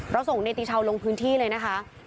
เราส่งเนติชาวลงพื้นที่เลยนะคะ